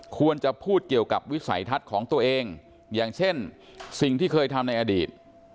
ควรจะพูดเกี่ยวกับวิสัยทัศน์ของตัวเองอย่างเช่นสิ่งที่เคยทำในอดีต